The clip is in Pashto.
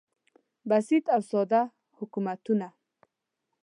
بسیط او ساده حکومتونه